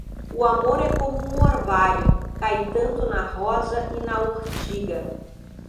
O amor é como um orvalho; cai tanto na rosa e na urtiga.